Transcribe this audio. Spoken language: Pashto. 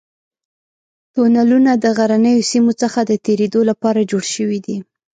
تونلونه د غرنیو سیمو څخه د تېرېدو لپاره جوړ شوي دي.